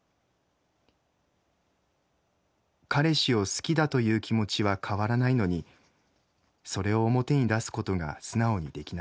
彼氏を好きだと言う気持ちは変わらないのにそれを表に出すことが素直にできない。